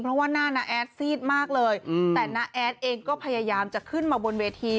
เพราะว่าหน้าน้าแอดซีดมากเลยแต่น้าแอดเองก็พยายามจะขึ้นมาบนเวที